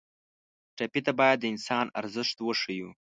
ټپي ته باید د انسان ارزښت ور وښیو.